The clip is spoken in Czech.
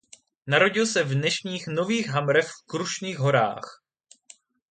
Narodil se v dnešních Nových Hamrech v Krušných horách.